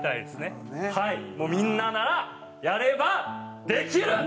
みんなならやればできる！